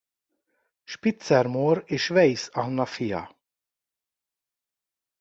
Spitzer Mór és Weisz Anna fia.